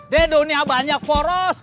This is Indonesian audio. di dunia banyak poros